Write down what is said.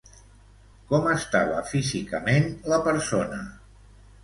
Com estava físicament la persona?